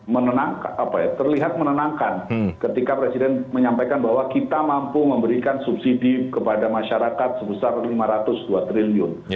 menenangkan terlihat menenangkan ketika presiden menyampaikan bahwa kita mampu memberikan subsidi kepada masyarakat sebesar rp lima ratus dua triliun